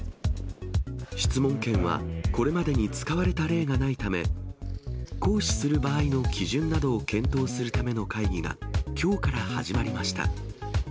質問権は、これまでに使われた例がないため、行使する場合の基準などを検討するための会議がきょうから始まりました。